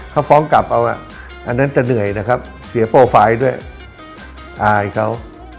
เขาฟ้องกลับเอาอ่ะอันนั้นจะเหนื่อยนะครับเสียโปรไฟล์ด้วยอายเขา